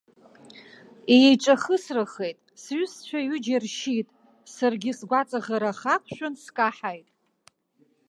Еиҿахысрахеит, сҩызцәа ҩыџьа ршьит, саргьы сгәаҵаӷара ахы ақәшәан, скаҳаит.